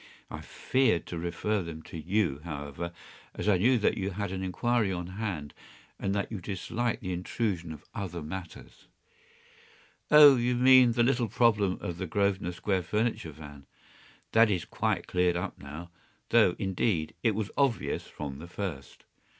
I feared to refer them to you, however, as I knew that you had an inquiry on hand, and that you disliked the intrusion of other matters.” “Oh, you mean the little problem of the Grosvenor Square furniture van. That is quite cleared up now—though, indeed, it was obvious from the first.